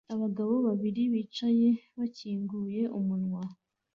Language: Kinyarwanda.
Abagabo babiri bicaye bakinguye umunwa